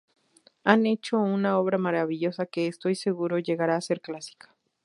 Han hecho una obra maravillosa que, estoy seguro, llegará a ser clásica"".